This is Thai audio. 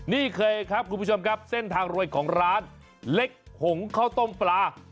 นี่เคยครับคุณผู้ชมครับเส้นทางรวยของร้านเล็กหงข้าวต้มปลา